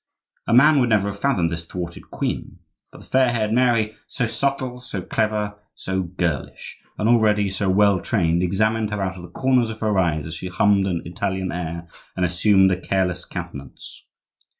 A man would never have fathomed this thwarted queen; but the fair haired Mary—so subtle, so clever, so girlish, and already so well trained—examined her out of the corners of her eyes as she hummed an Italian air and assumed a careless countenance.